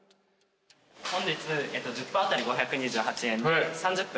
本日１０分当たり５２８円で３０分